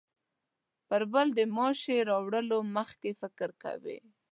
پر بل د ماشې وراړولو مخکې فکر کوي.